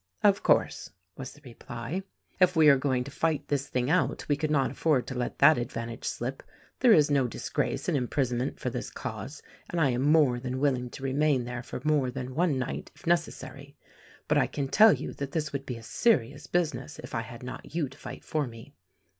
"Of course," was the reply. "If we are going to fight this thing out, we could not afford to let that advantage slip. There is no disgrace in imprisonment for this cause, and I am more than willing to remain there more than one night, if necessary; but I can tell you that this would be a serious business if I had not you to fight for me.